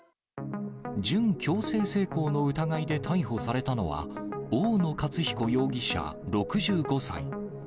準強制性交の疑いで逮捕されたのは、大野勝彦容疑者６５歳。